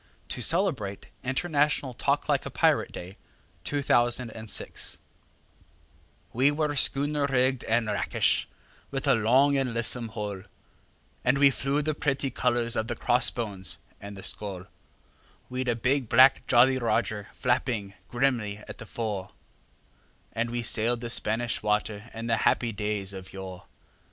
A BALLAD OF JOHN SILVER 7i A BALLAD OF JOHN SILVER We were schooner rigged and rakish, with a long and lissome hull, And we flew the pretty colours of the cross bones and the skull; We'd a big black Jolly Roger flapping grimly at the fore, And we sailed the Spanish Water in the happy days of yore.